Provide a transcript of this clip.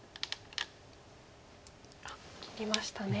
あっ切りましたね。